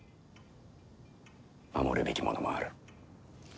守るべきものもある。